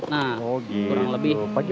nah kurang lebih begitu